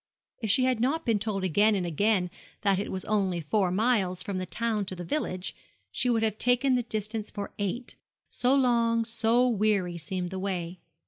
If she had not been told again and again that it was only four miles from the town to the village, she would have taken the distance for eight so long, so weary, seemed the way.